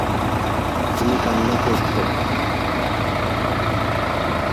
তুমি কান্না করছো!